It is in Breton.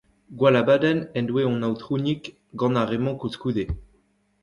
Gwall abadenn en doe hon aotrouig gant ar re-mañ koulskoude !